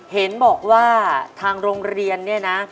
เห็นบอกว่าทางโรงเรียน